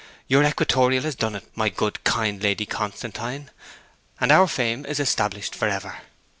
Your equatorial has done it, my good, kind Lady Constantine, and our fame is established for ever!'